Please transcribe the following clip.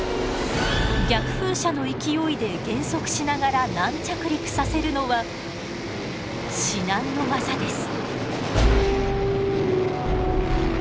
逆噴射の勢いで減速しながら軟着陸させるのは至難の業です。